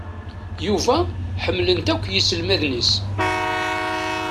Yuba, ḥemmlen-t akk yiselmaden-is